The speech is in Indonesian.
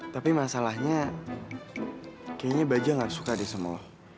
tapi masalahnya kayaknya bajak gak suka deh sama lo